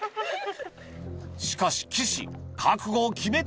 しかし岸覚悟を決めた！